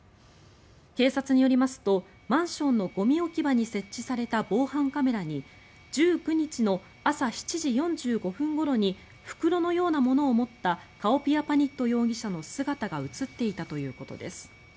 警察によりますとマンションのゴミ置き場に設置された防犯カメラに１９日の朝７時４５分ごろに袋のようなものを持ったカオピアパニット容疑者の姿が映っていたということです。